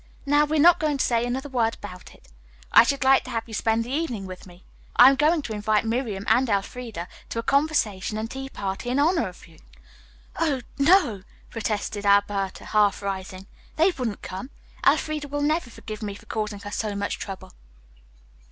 Now, we are not going to say another word about it. I should like to have you spend the evening with me. I am going to invite Miriam and Elfreda to a conversation and tea party in honor of you." "Oh, no!" protested Alberta, half rising. "They wouldn't come. Elfreda will never forgive me for causing her so much trouble."